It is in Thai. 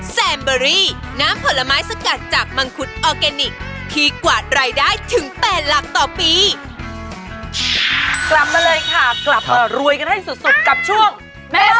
ช่วงที่แล้วนะคะเราพูดถึงที่มาที่ไปล์ของแซนเบอรี่กันไปแล้ว